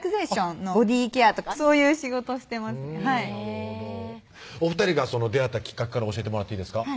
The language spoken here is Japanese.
なるほどお２人が出会ったきっかけから教えてもらっていいですか？